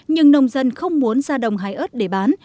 nhưng nông dân không muốn ra đồng hái ớt để bán